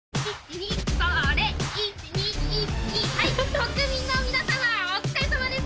国民の皆さまお疲れさまです。